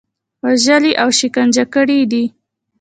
وژلي او شکنجه کړي دي.